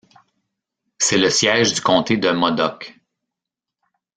C'est le siège du comté de Modoc.